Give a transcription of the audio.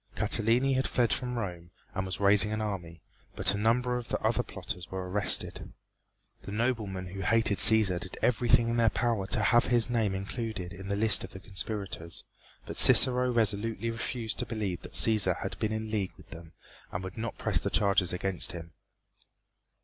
Catiline had fled from Rome and was raising an army, but a number of the other plotters were arrested. The noblemen who hated Cæsar did everything in their power to have his name included in the list of the conspirators, but Cicero resolutely refused to believe that Cæsar had been in league with them and would not press the charges against him.